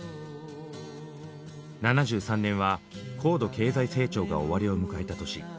７３年は高度経済成長が終わりを迎えた年。